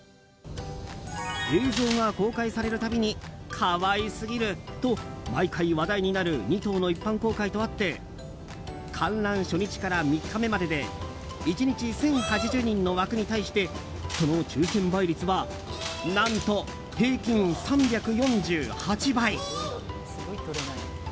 映像が公開される度に可愛すぎると毎回話題になる２頭の一般公開とあって観覧初日から３日までで１日１０８０人の枠に対してその抽選倍率は何と平均３４８倍。